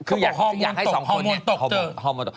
เขาอยากให้สองคนนี้